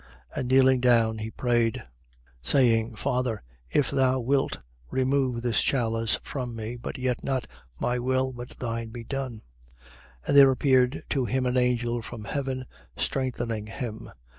And kneeling down, he prayed. 22:42. Saying: Father, if thou wilt, remove this chalice from me: but yet not my will, but thine be done. 22:43. And there appeared to him an angel from heaven, strengthening him.